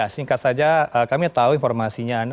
singkat saja kami tahu informasinya